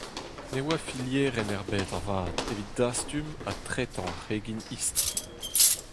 Ne oa filierenn ebet avat evit dastum ha tretañ ar c'hregin istr.